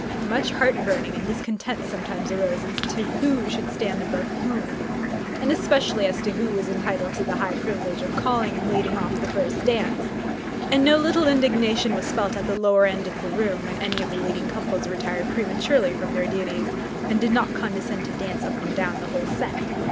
Much heart burning and discontent sometimes arose as to who should stand above whom, and especially as to who was entitled to the high privilege of calling and leading off the first dance: and no little indignation was felt at the lower end of the room when any of the leading couples retired prematurely from their duties, and did not condescend to dance up and down the whole set.